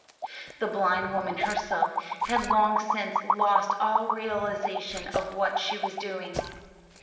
The blind woman herself had long since lost all realization of what she was doing.